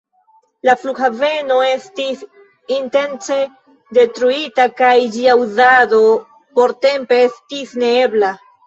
La flughaveno estis intence detruita, kaj ĝia uzado portempe estis neebla.